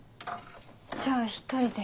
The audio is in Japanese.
じゃあ１人で。